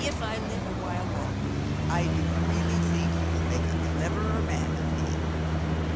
If I live a while longer I do really think you will make a clever man of me.